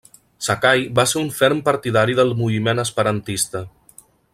Sakai va ser un ferm partidari del moviment esperantista.